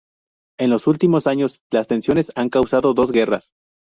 En los últimos años, las tensiones han causado dos guerras.